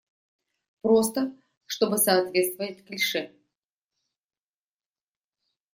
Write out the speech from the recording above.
Просто, чтобы соответствовать клише.